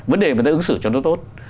vấn đề người ta ứng xử cho nó tốt